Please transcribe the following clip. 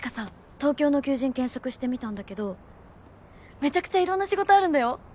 東京の求人検索してみたんだけどめちゃくちゃいろんな仕事あるんだよ！